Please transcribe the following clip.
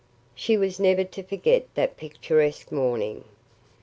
She was never to forget that picturesque morning.